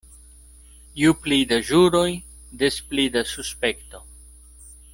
Ju pli da ĵuroj, des pli da suspekto.